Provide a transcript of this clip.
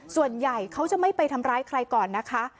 ส่วนใหญ่เขาจะไม่ไปทำร้ายใครก่อนนะคะ